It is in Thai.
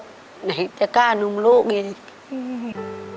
แต่จะก้านุ่มลูกยังนี่